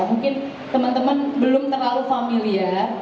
mungkin teman teman belum terlalu familiar